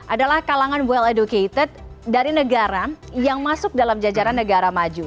adalah kalangan well educated dari negara yang masuk dalam jajaran negara maju